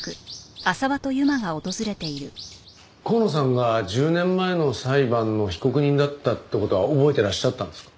香野さんが１０年前の裁判の被告人だったって事は覚えてらっしゃったんですか？